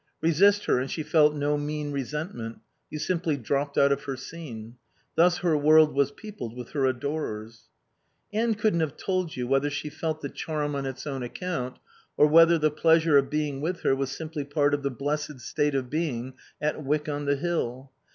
Resist her and she felt no mean resentment; you simply dropped out of her scene. Thus her world was peopled with her adorers. Anne couldn't have told you whether she felt the charm on its own account, or whether the pleasure of being with her was simply part of the blessed state of being at Wyck on the Hill.